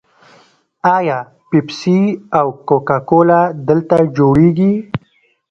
آیا پیپسي او کوکا کولا دلته جوړیږي؟